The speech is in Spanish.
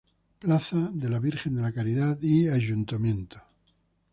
Plaza de la Virgen de la Caridad y Ayuntamiento.